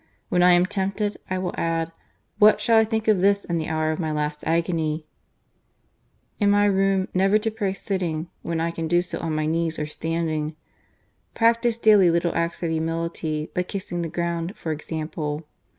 When I am tempted, I will add : What shall I think of this in the hour of my last agony ?" In my room> never to pray sitting when I can do so on my knees or standing. Practise daily little acts of humility, like kissing the ground, for example.